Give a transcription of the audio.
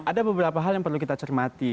ada beberapa hal yang perlu kita cermati